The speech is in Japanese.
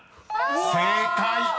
［正解］